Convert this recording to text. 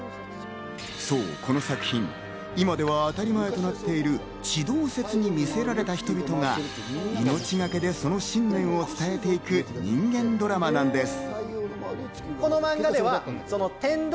そう、この作品、今では当たり前となっている地動説に魅せられた人々が命がけでその信念を伝えていく人間ドラマなんです。